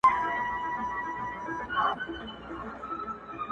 نه یې مال نه یې دولت وي ورته پاته!